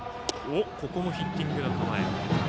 今はヒッティングの構え。